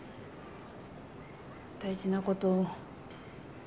大事なこと。